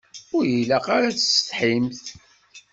Ur ilaq ara ad tessetḥimt.